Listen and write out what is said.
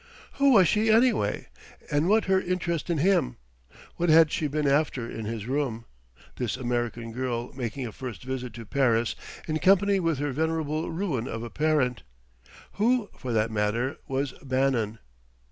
Who was she, anyway? And what her interest in him? What had she been after in his room? this American girl making a first visit to Paris in company with her venerable ruin of a parent? Who, for that matter, was Bannon?